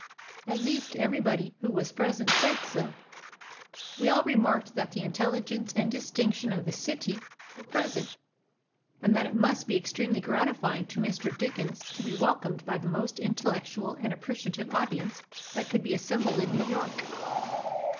At least everybody who was present said so. We all remarked that the intelligence and distinction of the city were present, and that it must be extremely gratifying to Mr. Dickens to be welcomed by the most intellectual and appreciative audience that could be assembled in New York.